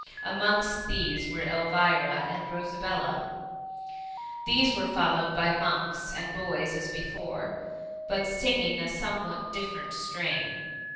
Amongst these, were Elvira and Bosabella. N 2 S68 THE MUMMY. These were followed by mosks and boys as before, but singing a somewhat different strain.